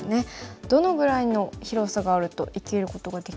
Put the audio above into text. どのぐらいの広さがあると生きることができるんでしょうか。